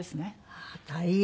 ああ大変。